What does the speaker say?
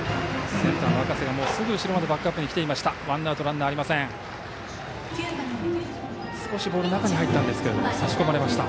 センターの赤瀬がすぐ後ろまでバックアップに来ていました。